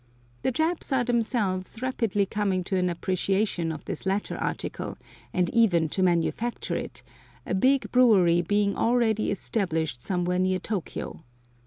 The Japs are themselves rapidly coming to an appreciation of this latter article, and even to manufacture it, a big brewery being already established somewhere near Tokio.